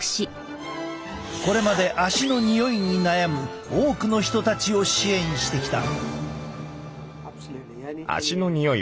これまで足のにおいに悩む多くの人たちを支援してきた。